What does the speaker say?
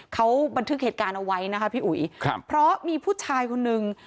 เขาบันทึกเหตุการณ์เอาไว้นะคะพี่อุ๋ยครับเพราะมีผู้ชายคนนึง